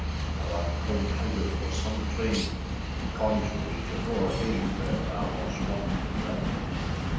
âThou art comed hider for sum trayne, I conjure thee to go agayne, Wher thou was wont to dwell.